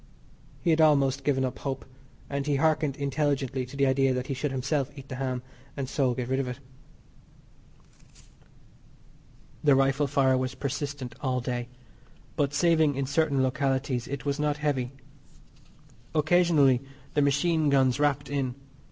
He had almost given up hope, and he hearkened intelligently to the idea that he should himself eat the ham and so get rid of it. The rifle fire was persistent all day, but, saving in certain localities, it was not heavy. Occasionally the machine guns rapped in.